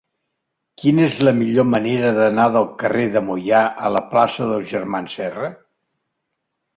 Quina és la millor manera d'anar del carrer de Moià a la plaça dels Germans Serra?